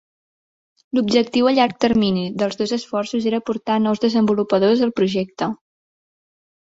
L'objectiu a llarg termini dels dos esforços era portar nous desenvolupadors al projecte.